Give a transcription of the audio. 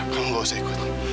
kamu gak usah ikut